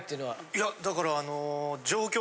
いやだからあの。